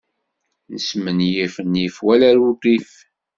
Nesmenyif nnif wala urrif.